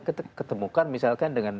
ketemukan misalkan dengan